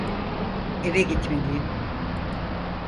Eve gitmeliyim.